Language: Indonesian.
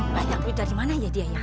banyak duit dari mana ya dia yang